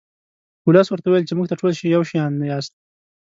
ولس ورته وویل چې موږ ته ټول یو شان یاست.